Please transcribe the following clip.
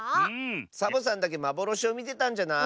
サボさんだけまぼろしをみてたんじゃない？